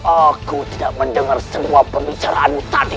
aku tidak mendengar semua pembicaraanmu tadi